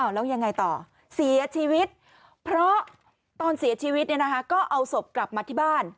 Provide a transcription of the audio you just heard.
แล้วยังไงต่อเสียชีวิตเพราะตอนเสียชีวิตก็เอาศพกลับมาที่บ้าน